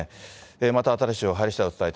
また新しい情報が入りしだい